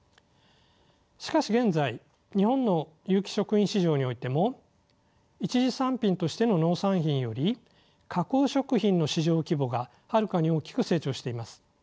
しかし現在日本の有機食品市場においても一次産品としての農産品より加工食品の市場規模がはるかに大きく成長しています。